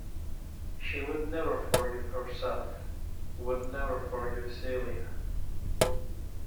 She would never forgive herself — would never forgive Celia.